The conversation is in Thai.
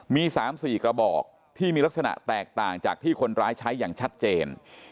มี๓๔กระบอกที่มีลักษณะแตกต่างจากที่คนร้ายใช้อย่างชัดเจน